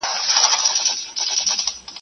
تا ویل د بنده ګانو نګهبان یم.